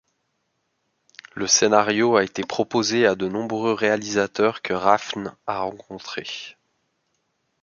Le scénario a été proposé a de nombreux réalisateurs que Rafn a rencontré.